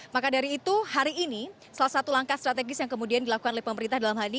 maka dari itu hari ini salah satu langkah strategis yang kemudian dilakukan oleh pemerintah dalam hal ini